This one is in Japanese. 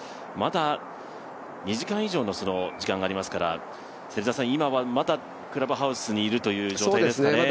まだ２時間以上の時間がありますから今はまだ、クラブハウスにいるという状態ですかね。